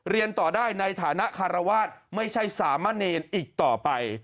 เรียนต่อได้ในฐานะคารวาสไม่ใช่สามะเนรอีกต่อไป